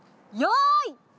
よい。